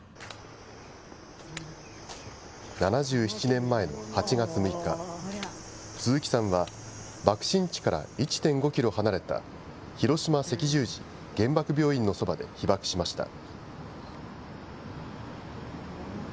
７７年前の８月６日、鈴木さんは、爆心地から１．５キロ離れた、広島赤十字原爆病院のそばで被爆しました。